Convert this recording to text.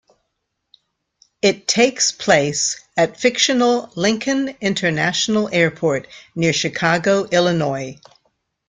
It takes place at fictional Lincoln International Airport near Chicago, Illinois.